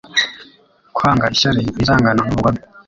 Kwanga ishyari inzangano n'ubugome